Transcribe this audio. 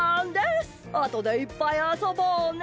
あとでいっぱいあそぼうね！